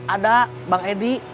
ada bang edi